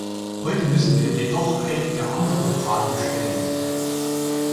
Heute müssen wir jedoch einige andere Fragen stellen.